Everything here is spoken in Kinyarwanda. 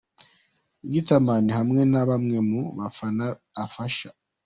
Gutterman hamwe na bamwe mu bana afasha.